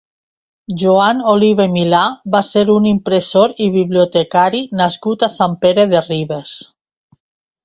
Joan Oliva i Milà va ser un impressor i bibliotecari nascut a Sant Pere de Ribes.